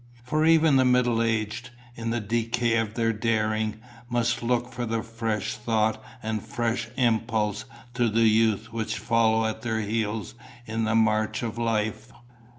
For even the middle aged, in the decay of their daring, must look for the fresh thought and the fresh impulse to the youth which follows at their heels in the march of life.